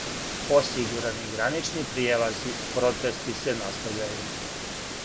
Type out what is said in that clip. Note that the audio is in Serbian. Осигурани гранични пријелази, протести се настављају